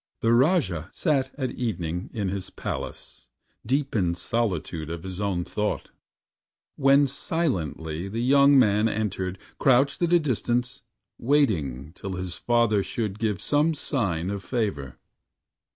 The Rajah sat at evening in his palace, Deep in solitude of his own thought, When silently the young man entering Crouched at a distance, waiting till his father Should give some sign of favor.